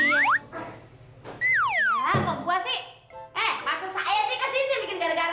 eh masa saya sih kesini bikin gara gara